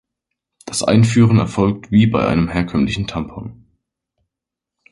Das Einführen erfolgt wie bei einem herkömmlichen Tampon.